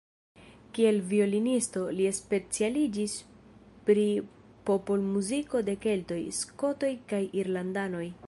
Kiel violonisto, li specialiĝis pri popolmuziko de keltoj, skotoj kaj irlandanoj.